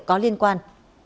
có liên quan